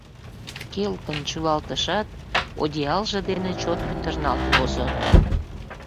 Келгын шӱлалтышат, одеялже дене чот пӱтырналт возо.